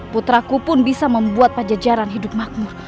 putraku pun bisa membuat pajajaran hidup makmur